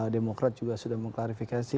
demokrat juga sudah mengklarifikasi